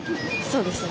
そうですね。